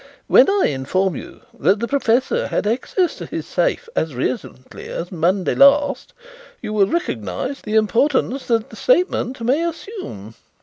When I inform you that the professor had access to his safe as recently as on Monday last you will recognize the importance that the statement may assume."